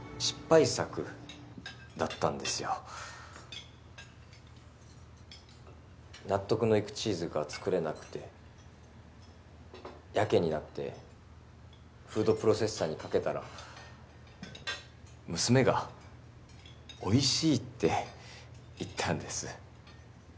失敗作だったんですよ納得のいくチーズが作れなくてやけになってフードプロセッサーにかけたら娘がおいしいって言ったんです